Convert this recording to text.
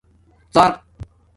ڎر